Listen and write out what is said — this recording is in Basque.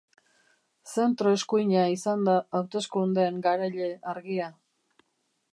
Zentro eskuina izan da hauteskundeen garaile argia.